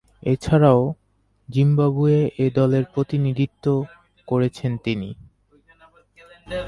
এছাড়াও, Zimbabwe A দলের প্রতিনিধিত্ব করেছেন তিনি।